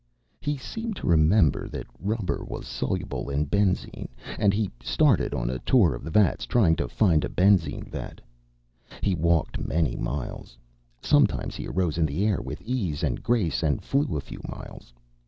He seemed to remember that rubber was soluble in benzine, and he started on a tour of the vats, trying to find a benzine vat. He walked many miles. Sometimes he arose in the air, with ease and grace, and flew a few miles.